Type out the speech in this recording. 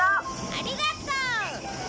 ありがとう！